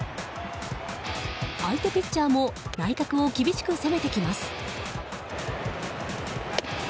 相手ピッチャーも内角を厳しく攻めてきます。